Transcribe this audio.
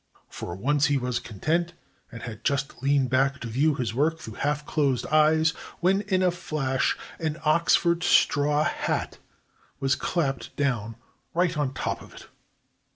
For once he was content, and had just leaned back to view his work through half closed eyes when in a flash an Oxford straw hat was clapped down right on top of it.